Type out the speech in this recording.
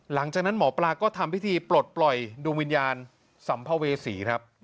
หลังจากนั้นหมอปลาก็ทำพิธีปลดปล่อยดวงวิญญาณสัมภเวษีครับ